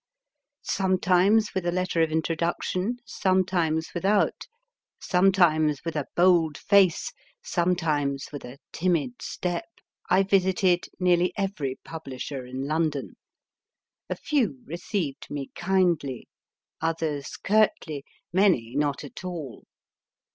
Sometimes with a letter of introduction, sometimes without, sometimes with a bold face, sometimes with a timid step, I visited nearly ever} publisher in London. A few received me kindly, others curtly, many not at all.